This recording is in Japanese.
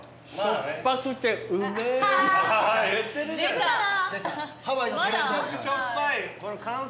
しょっぱくてうめえな。